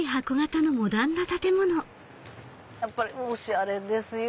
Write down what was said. やっぱりおしゃれですよ。